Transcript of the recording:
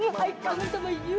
you udah baik baik you